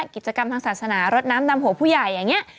กิจกรรมทางศาสนารดน้ำดำหัวผู้ใหญ่อย่างนี้